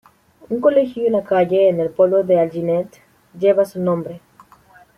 Un colegio y una calle en el pueblo de Alginet llevan su nombre.